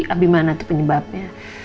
tapi mana itu penyebabnya